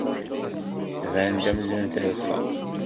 Tban-d amzun terfa.